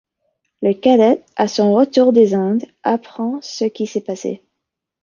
Le cadet, à son retour des Indes, apprend ce qui s'est passé.